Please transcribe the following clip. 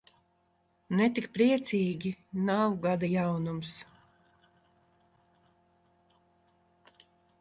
Ne tik priecīgi, nav gada jaunums.